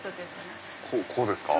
こうですか？